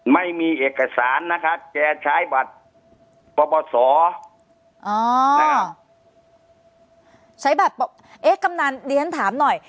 ไม่มีเอกสารนะครับแต่ใช้บัตรประวัติศาสตร์อ๋อใช้บัตรประวัติศาสตร์เอ๊ะกำลังเรียนถามหน่อย